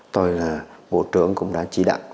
tôi là bộ trưởng cũng đã chỉ đặt